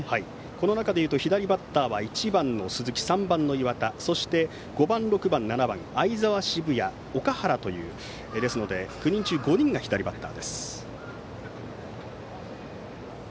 この中でいうと左バッターは１番の鈴木３番の岩田そして５番、６番、７番の相澤、澁谷、岳原という９人中５人が左バッターです。